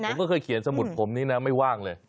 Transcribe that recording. ผมก็เคยเขียนสมุดผมนี้นะไม่ว่างเลย